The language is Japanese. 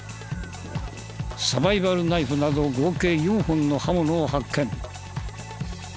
サバイバルナイフなど合計４本の刃物を発見。